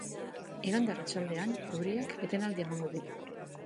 Igande arratsaldean euriak etenaldia emango du.